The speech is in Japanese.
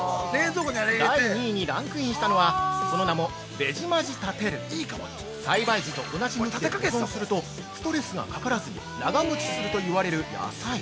◆第２位にランクインしたのはその名も「ベジマジたてる」栽培時と同じ向きで保存するとストレスがかからずに長持ちするといわれる野菜。